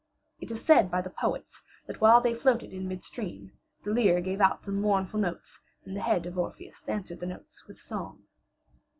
It is said by the poets that while they floated in midstream the lyre gave out some mournful notes and the head of Orpheus answered the notes with song.